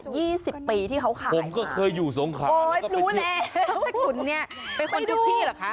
ยี่สิบปีที่เขาขายมาโอ้ยฟรูแล้วแม่ขุนเนี่ยเป็นคนทุกที่หรอคะ